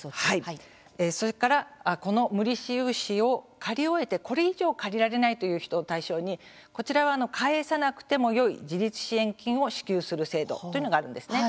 それからこの無利子融資を借り終えてこれ以上借りられないという人を対象にこちらは返さなくてもよい自立支援金を支給する制度というのがあるんですね。